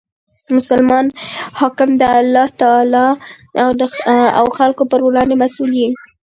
مسلمان حاکم د الله تعالی او خلکو په وړاندي مسئول يي.